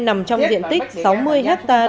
nằm trong diện tích sáu mươi hectare